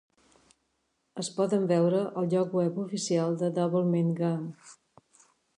Es poden veure al lloc web oficial de Doublemint Gum.